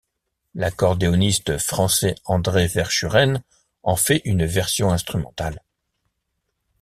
L'accordéoniste français André Verchuren en fait une version instrumentale.